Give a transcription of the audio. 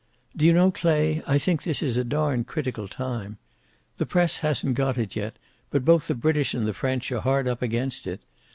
"Do you know, Clay, I think this is a darned critical time. The press, hasn't got it yet, but both the British and the French are hard up against it.